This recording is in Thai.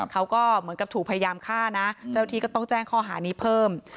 เขาก็เหมือนกับถูกพยายามฆ่านะเจ้าที่ก็ต้องแจ้งข้อหานี้เพิ่ม